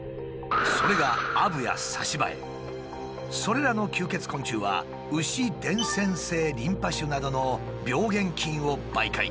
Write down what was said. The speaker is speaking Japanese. それがそれらの吸血昆虫は牛伝染性リンパ腫などの病原菌を媒介。